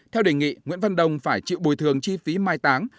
theo đề nghị nguyễn văn đồng phải chịu bồi thường chi phí mai táng